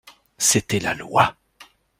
C'était la Loi.